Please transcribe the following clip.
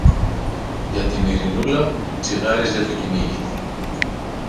για την Ειρηνούλα που τσιγάριζε το κυνήγι.